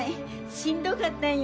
しんどかったんよ。